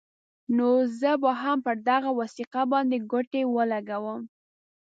نو زه به هم پر دغه وثیقه باندې ګوتې ولګوم.